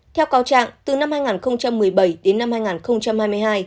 theo cáo trạng từ năm hai nghìn một mươi bảy đến năm hai nghìn một mươi chín